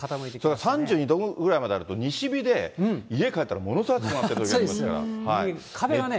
それから３２度ぐらいまであると西日で、家帰ったら、ものすごい暑くなっているときありますからね。